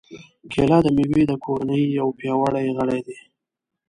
کېله د مېوې د کورنۍ یو پیاوړی غړی دی.